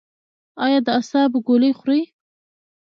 ایا د اعصابو ګولۍ خورئ؟